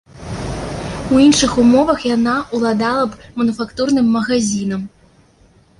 У іншых умовах яна ўладала б мануфактурным магазінам.